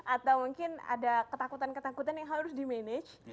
atau mungkin ada ketakutan ketakutan yang harus di manage